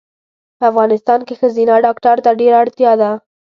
په افغانستان کې ښځېنه ډاکټرو ته ډېره اړتیا ده